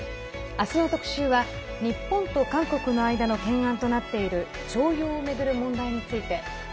明日の特集は、日本と韓国の間の懸案となっている徴用を巡る問題について。